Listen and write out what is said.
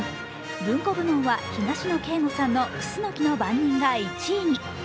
文庫部門は東野圭吾さんの「クスノキの番人」が１位に。